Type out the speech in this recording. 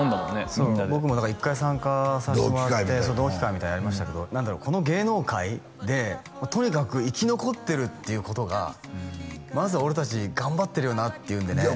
みんなでそう僕もだから一回参加さしてもらって同期会みたいな同期会みたいなのやりましたけどこの芸能界でとにかく生き残ってるっていうことがまず俺達頑張ってるよなっていうんでねいや